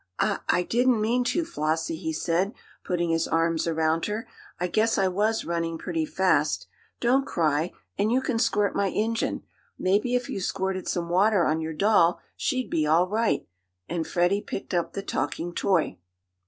"I I didn't mean to, Flossie," he said, putting his arms around her. "I guess I was running pretty fast. Don't cry, and you can squirt my engine. Maybe if you squirted some water on your doll she'd be all right," and Freddie picked up the talking toy.